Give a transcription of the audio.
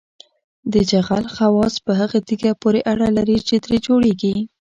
د جغل خواص په هغه تیږه پورې اړه لري چې ترې جوړیږي